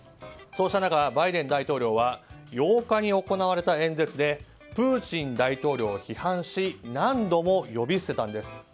そうした中、バイデン大統領は８日に行われた演説でプーチン大統領を批判し何度も呼び捨てたんです。